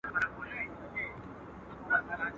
کرې شپه وایو سندري سپېدې وچوي رڼا سي.